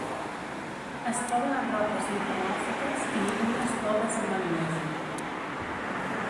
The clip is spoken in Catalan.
Es troba en roques metamòrfiques i ígnies pobres en magnesi.